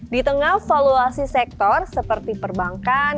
di tengah valuasi sektor seperti perbankan